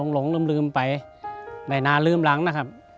หลงลืมไปไม่นานลืมหลังนะครับ